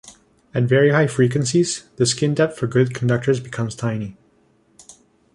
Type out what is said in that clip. At very high frequencies the skin depth for good conductors becomes tiny.